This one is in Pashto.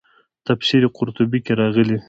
تفسیر قرطبي کې راغلي.